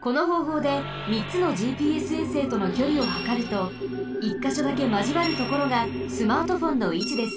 このほうほうでみっつのＧＰＳ衛星とのきょりをはかると１かしょだけまじわるところがスマートフォンのいちです。